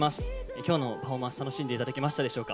今日のパフォーマンス、楽しんでいただけましたか？